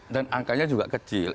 dan angkanya juga kecil